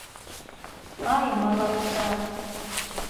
Ай, малатса...